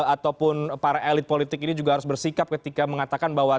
ataupun para elit politik ini juga harus bersikap ketika mengatakan bahwa